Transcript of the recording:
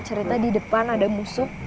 cerita di depan ada musuh